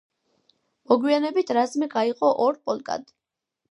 მოგვიანებით რაზმი გაიყო ორ პოლკად.